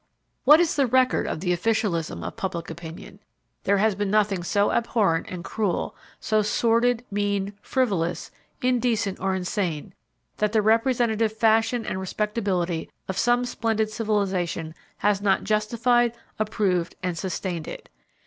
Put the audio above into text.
What is the record of the officialism of public opinion? There has been nothing so abhorrent and cruel, so sordid, mean, frivolous, indecent or insane, that the representative fashion and respectability of some splendid civilization has not justified, approved and sustained it.